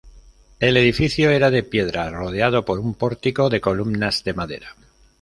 El edificio era de piedra, rodeado por un pórtico de columnas de madera.